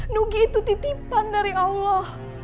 nugi itu titipan dari allah